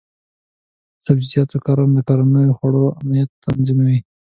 د سبزیجاتو کرنه د کورنیو د خوړو امنیت تضمینوي.